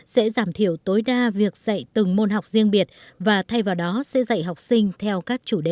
sẽ giảm thiểu tối đa việc dạy từng môn học riêng biệt và thay vào đó sẽ dạy học sinh theo các chủ đề